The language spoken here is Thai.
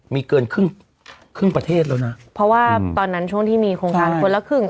มีเกินครึ่งครึ่งประเทศแล้วนะเพราะว่าตอนนั้นช่วงที่มีโครงการคนละครึ่ง